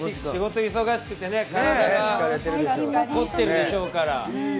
仕事忙しくて、凝ってるでしょうから。